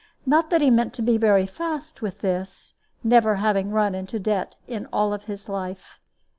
Not that he meant to be very fast with this, never having run into debt in all his life.